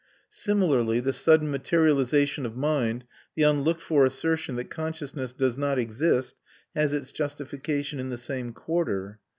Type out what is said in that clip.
Similarly the sudden materialisation of mind, the unlooked for assertion that consciousness does not exist, has its justification in the same quarter.